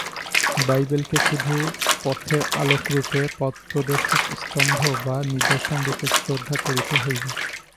বাইবেলকে শুধু পথের আলোকরূপে, পথপ্রদর্শক স্তম্ভ বা নিদর্শনরূপে শ্রদ্ধা করিতে হইবে।